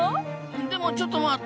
でもちょっと待った！